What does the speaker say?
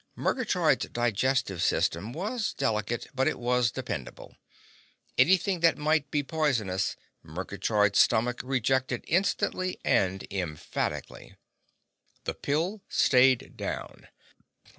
Murgatroyd's digestive system was delicate, but it was dependable. Anything that might be poisonous, Murgatroyd's stomach rejected instantly and emphatically. The pill stayed down.